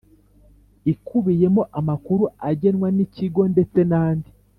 Ikubiyemo amakuru agenwa n ikigo ndetse n andi